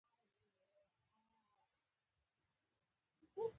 هغه وروسته د اګوستوس سزار په نامه یادېده